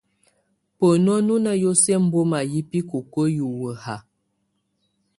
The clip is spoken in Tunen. Benu nɔ na yəsuə ɛmbɔma yɛ bikoko hiwə ha.